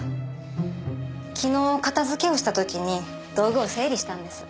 昨日片付けをした時に道具を整理したんです。